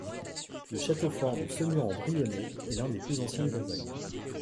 Le château fort de Semur-en-Brionnais est l'un des plus anciens de Bourgogne.